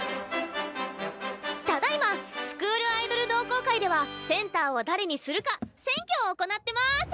ただいまスクールアイドル同好会ではセンターを誰にするか選挙を行ってます！